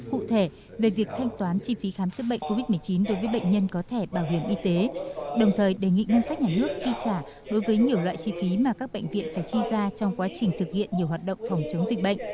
cụ thể về việc thanh toán chi phí khám chức bệnh covid một mươi chín đối với bệnh nhân có thẻ bảo hiểm y tế đồng thời đề nghị ngân sách nhà nước chi trả đối với nhiều loại chi phí mà các bệnh viện phải chi ra trong quá trình thực hiện nhiều hoạt động phòng chống dịch bệnh